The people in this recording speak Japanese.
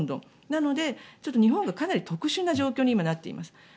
なので日本がかなり特殊な状況に今、なっています。